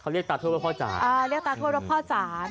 เรียกตาทั่วว่าพ่อจ๋า